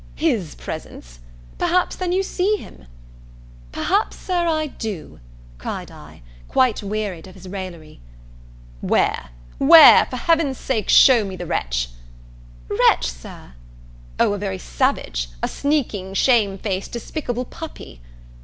"His presence! perhaps then you see him?" "Perhaps, Sir, I do," cried I, quite wearied of his raillery. "Where? Where? for Heaven's sake show me the wretch!" "Wretch, Sir!" "O, a very savage! a sneaking, shame faced, despicable puppy!"